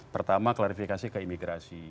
pertama klarifikasi ke imigrasi